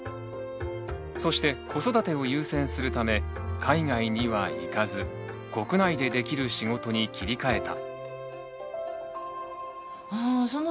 そして子育てを優先するため海外には行かず国内でできる仕事に切り替えた。